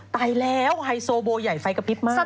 ตายแล้วไฮโซโบใหญ่ไฟกระพริบมาก